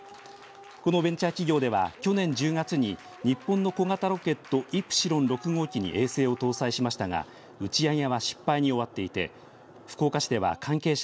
このベンチャー企業では去年１０月に日本の小型ロケットイプシロン６号機に衛星を搭載しましたが打ち上げは失敗に終わっていて福岡市では関係者